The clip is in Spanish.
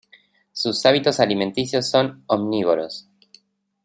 Sus hábitos alimenticios son omnívoros.